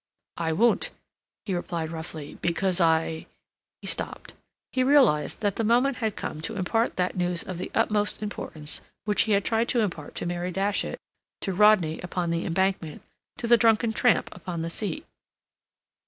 "I won't," he replied roughly, "because I—" He stopped. He realized that the moment had come to impart that news of the utmost importance which he had tried to impart to Mary Datchet, to Rodney upon the Embankment, to the drunken tramp upon the seat.